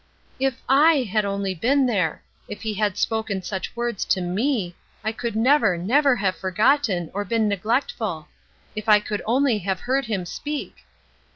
"If I had only been there; if He had spoken such words to me, I could never, never have forgotten, or been neglectful. If I could only have heard Him speak!"